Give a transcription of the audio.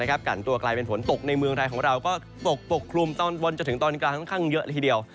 กันตัวกลายเป็นฝนตกในเมืองไทยของเราก็ตกปกคลุมตอนบนจนถึงตอนกลางค่อนข้างเยอะละทีเดียว